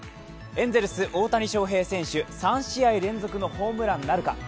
エンゼルスの大谷翔平選手、３試合連続のホームランなるか。